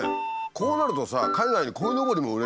こうなるとさ海外にこいのぼりも売れるよね。